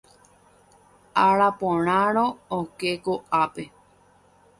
Araporãrõ oke okápe.